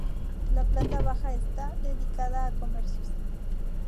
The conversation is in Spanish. La planta baja está dedicada a comercios.